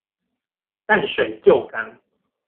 淡水舊港